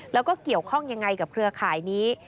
แล้วก็เกี่ยวข้องยังไงกับเครือข่ายนี้